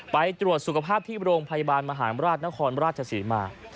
ไปตรวจสุขภาพที่โรงพยาบาลมหารราชนครราชศรีมา